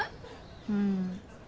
うん。